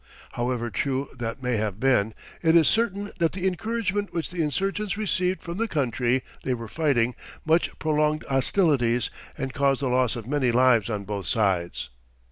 However true that may have been, it is certain that the encouragement which the insurgents received from the country they were fighting much prolonged hostilities and caused the loss of many lives on both sides.